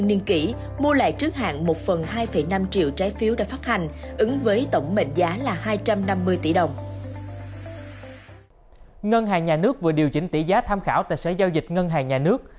ngân hàng nhà nước vừa điều chỉnh tỷ giá tham khảo tại sở giao dịch ngân hàng nhà nước